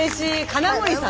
金森さん。